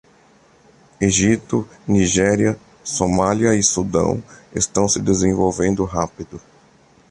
Egito, Nigéria, Somália e Sudão estão se desenvolvendo rápido